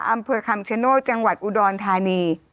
อำเภอคำชโนธจังหวัดอุดรธานี